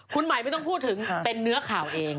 คุณหมายไม่ต้องพูดถึงเป็นเนื้อข่าวเอง